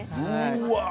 うわ！